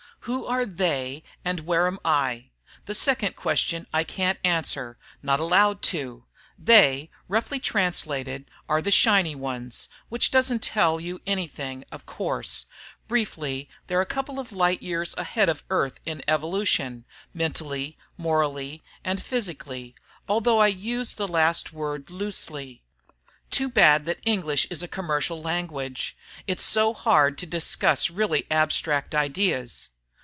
Who are "they," and where am I? The second question I can't answer not allowed to. "They," roughly translated, are "The Shining Ones," which doesn't tell you anything, of course. Briefly, they're a couple of light years ahead of Earth in evolution mentally, morally, and physically, although I use the last word loosely. Too bad that English is a commercial language, it's so hard to discuss really abstract ideas.